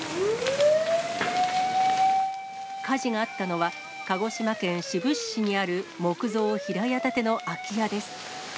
火事があったのは、鹿児島県志布志市にある木造平屋建ての空き家です。